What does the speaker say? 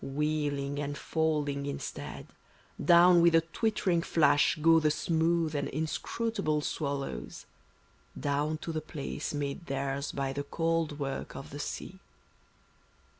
Wheeling and falfing, in stead, Down with a twittering flash go the smooth and in scrutable swallows, Down to the place made theirs by the cold work of the sea.